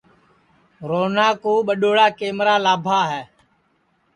روہنا کُو ٻڈؔوڑا کمرا لابھا ہے